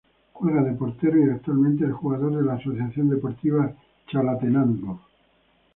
Juega de portero y actualmente es jugador de la Asociación Deportiva Chalatenango.